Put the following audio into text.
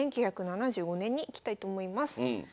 １９７５年にいきたいと思います。